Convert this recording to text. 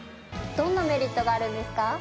どんなメリットがあるんですか？